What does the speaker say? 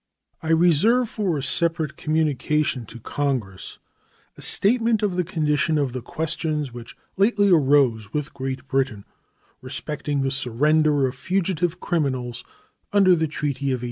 I reserve for a separate communication to Congress a statement of the condition of the questions which lately arose with Great Britain respecting the surrender of fugitive criminals under the treaty of 1842.